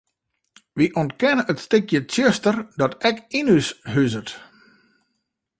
Wy ûntkenne it stikje tsjuster dat ek yn ús huzet.